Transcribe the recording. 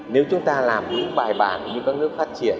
nếu chúng ta làm những bài bản như các nước phát triển